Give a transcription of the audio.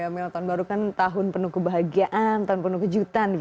melaton baru kan tahun penuh kebahagiaan tahun penuh kejutan